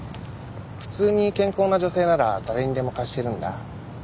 普通に健康な女性なら誰にでも貸してるんだ。